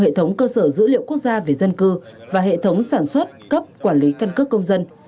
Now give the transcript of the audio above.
hệ thống cơ sở dữ liệu quốc gia về dân cư và hệ thống sản xuất cấp quản lý căn cước công dân